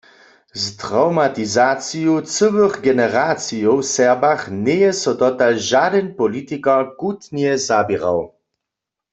Z trawmatizaciju cyłych generacijow w Serbach njeje so dotal žadyn politikar chutnje zaběrał.